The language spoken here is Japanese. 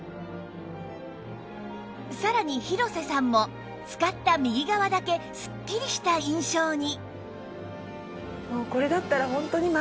さらに廣瀬さんも使った右側だけスッキリした印象に